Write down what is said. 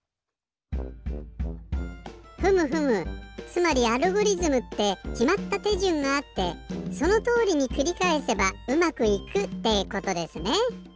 ふむふむつまりアルゴリズムってきまったてじゅんがあってそのとおりにくりかえせばうまくいくってことですね。